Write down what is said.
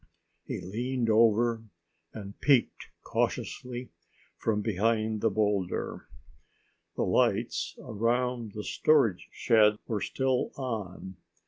He leaned over and peeked cautiously from behind the boulder. The lights around the storage shed were still on.